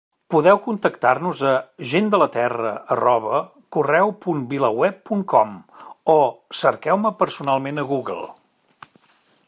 Podeu contactar-nos a gentdelaterra@correu.vilaweb.com o cerqueu-me personalment a Google.